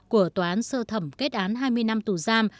của tòa án sơ thẩm kết án hai mươi năm tù giam